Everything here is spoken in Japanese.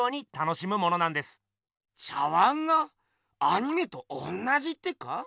茶碗がアニメとおんなじってか？